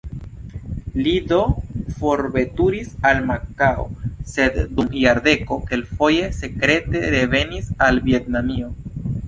Li do forveturis al Makao, sed dum jardeko kelkfoje sekrete revenis al Vjetnamio.